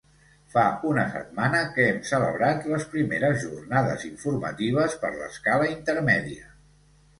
Fa una setmana que hem celebrat les primeres jornades informatives per l’escala intermèdia.